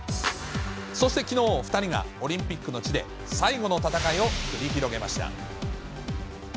そしてきのう、２人がオリンピックの地で最後の戦いを繰り広げました。